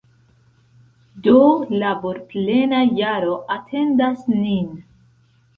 Do, laborplena jaro atendas nin!